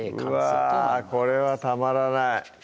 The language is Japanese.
うわこれはたまらない